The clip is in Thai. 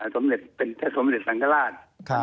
สมเจษฐ์สังคราช